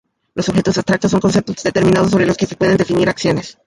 Los objetos abstractos son conceptos determinados sobre los que se pueden definir acciones.